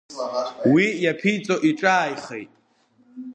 Уи иаԥиҵо иҿааихеит…